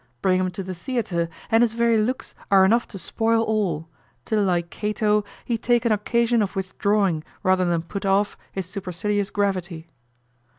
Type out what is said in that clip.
Bring him to the theatre, and his very looks are enough to spoil all, till like Cato he take an occasion of withdrawing rather than put off his supercilious gravity.